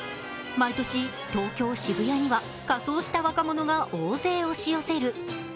毎年、東京・渋谷には仮装した若者が大勢押し寄せる。